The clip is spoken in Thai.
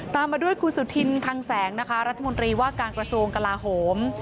มาด้วยคุณสุธินพังแสงนะคะรัฐมนตรีว่าการกระทรวงกลาโหม